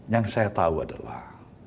yang saya tahu adalah